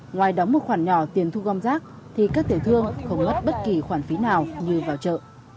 ngoài đóng một khoản nhỏ tiền thu gom rác thì các tiểu thương không mất bất kỳ khoản phí nào như vào chợ